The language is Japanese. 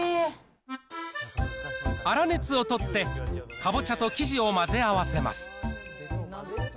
粗熱を取ってかぼちゃと生地を混ぜ合わせます。